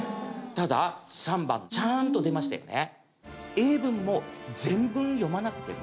ただ３番ちゃんと出ましたよね